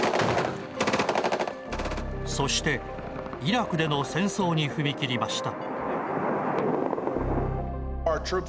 そして、イラクでの戦争に踏み切りました。